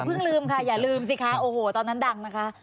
ลืมค่ะอย่าลืมสิคะโอ้โหตอนนั้นดังนะคะ